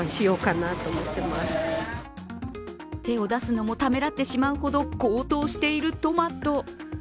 手を出すのもためらってしまうほど高騰しているトマト。